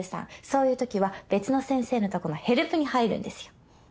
そういうときは別の先生のとこのヘルプに入るんですよ。